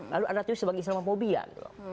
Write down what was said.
lalu anda tuh sebagai islamophobia gitu loh